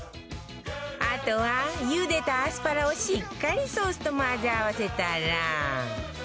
あとは茹でたアスパラをしっかりソースと混ぜ合わせたら